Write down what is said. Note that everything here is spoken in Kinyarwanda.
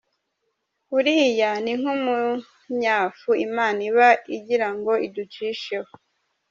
Uriya ni nk’umunyafu Imana iba igirango iducisheho .